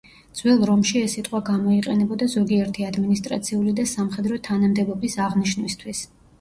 ძველ რომში ეს სიტყვა გამოიყენებოდა ზოგიერთი ადმინისტრაციული და სამხედრო თანამდებობის აღნიშვნისთვის.